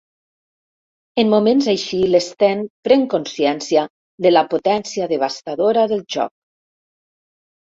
En moments així l'Sten pren consciència de la potència devastadora del joc.